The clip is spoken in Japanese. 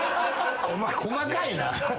お前細かいな。